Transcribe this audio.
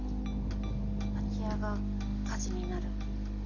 空き家が火事になる。